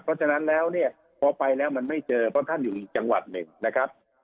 เพราะฉะนั้นแล้วเนี่ยพอไปแล้วมันไม่เจอเพราะท่านอยู่อีกจังหวัดหนึ่งนะครับ